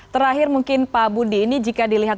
terakhir mungkin pak budi ini jika dilihat